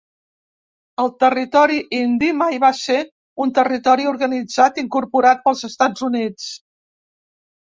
El Territori Indi mai va ser un territori organitzat incorporat pels Estats Units.